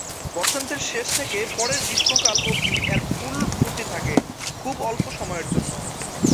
বসন্তের শেষ থেকে পরের গ্রীষ্মকাল অবধি এর ফুল ফুটে থাকে, খুব অল্প সময়ের জন্য।